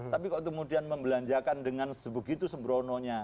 tapi kok kemudian membelanjakan dengan sebegitu sembrononya